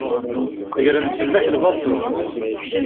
Gren-d fell-ak lbaṭel.